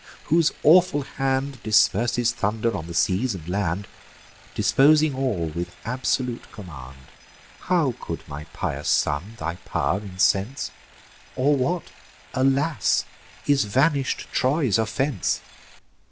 whose awful hand Disperses thunder on the seas and land, Disposing all with absolute command; How could my pious son thy pow'r incense? Or what, alas! is vanish'd Troy's offence?